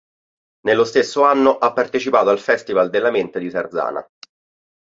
Nello stesso anno ha partecipato al Festival della Mente di Sarzana.